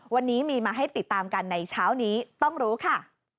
วันนี้มีมาให้ติดตามกันในเช้านี้ต้องรู้ค่ะ